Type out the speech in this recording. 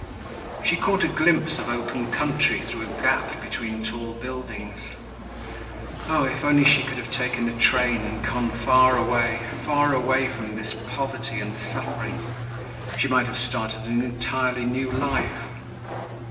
She caught a glimpse of open country through a gap between tall buildings. Oh, if only she could have taken a train and gone away, far away from this poverty and suffering. She might have started an entirely new life!